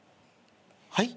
はい？